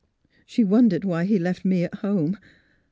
She wondered why he left me at home.